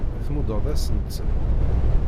Tmuddeḍ-asent-ten.